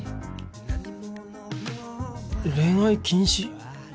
「恋愛禁止」？